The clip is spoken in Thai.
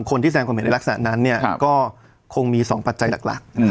คนที่แสดงความเห็นในรักษานั้นเนี้ยครับก็คงมีสองปัจจัยหลักหลักอืม